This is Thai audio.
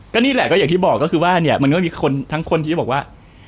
นี่แหละก็อย่างที่บอกก็คือว่าเนี่ยมันก็มีคนทั้งคนที่บอกว่า